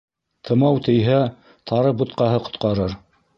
Тымау тейһә, тары бутҡаһы ҡотҡарыр.